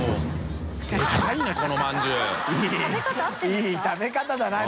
いい食べ方だな。